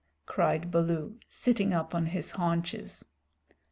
cried Baloo, sitting up on his haunches.